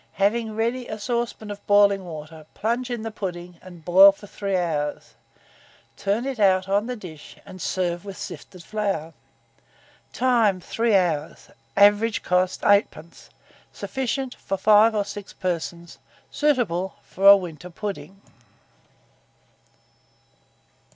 Have ready a saucepan of boiling water, plunge in the pudding, and boil for 3 hours. Turn it out on the dish, and serve with sifted sugar. Time. 3 hours. Average cost, 8d. Sufficient for 5 or 6 persons. Seasonable. Suitable for a winter pudding.